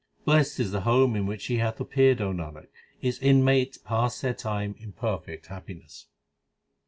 Blest is the home in which she hath appeared Nanak, its inmates pass their time in perfect happiness.